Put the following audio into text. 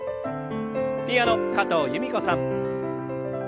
ピアノ加藤由美子さん。